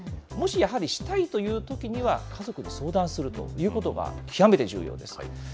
もし、やはりしたいというときには、家族に相談するということが極めて重要です。